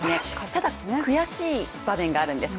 ただ悔しい場面があるんです。